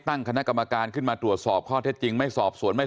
ตั้งคณะกรรมการขึ้นมาตรวจสอบข้อเท็จจริงไม่สอบสวนไม่